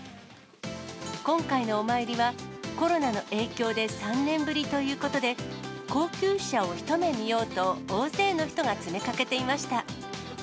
今回のお参りは、コロナの影響で３年ぶりということで、高級車を一目見ようと、大勢の人が詰めかけていました。